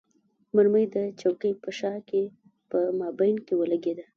مرمۍ د چوکۍ په شا کې په مابین کې ولګېده.